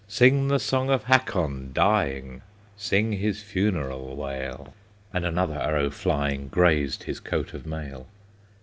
"Sing the song of Hakon dying, Sing his funeral wail!" And another arrow flying Grazed his coat of mail.